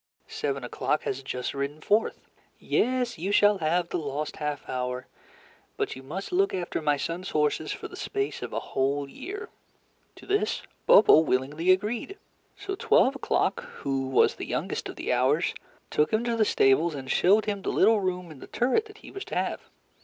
Seven O'clock has just ridden forth. Yes, you shall have the lost half hour, but you must look after my sons' horses for the space of a whole year." To this Bobo willingly agreed. So Twelve O'Clock, who was the youngest of the Hours, took him to the stables and showed him the little room in the turret that he was to have.